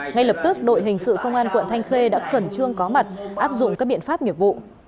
ngay lập tức đội hình sự công an quận thanh khê đã khẩn trương có mặt áp dụng các biện pháp nghiệp vụ